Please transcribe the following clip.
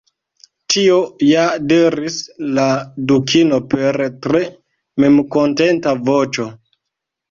"Tio ja," diris la Dukino per tre memkontenta voĉo."